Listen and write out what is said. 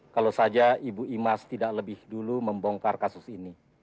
kalau saja ibu imas tidak lebih dulu membongkar kasus ini